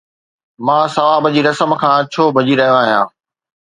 مان ثواب جي رسم کان ڇو ڀڄي رهيو آهيان!